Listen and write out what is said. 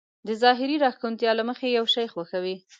د ظاهري راښکونتيا له مخې يو شی خوښوي.